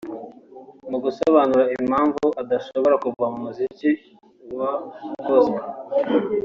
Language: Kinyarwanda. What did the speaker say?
Mu gusobanura impamvu adashobora kuva mu muziki wa Gospel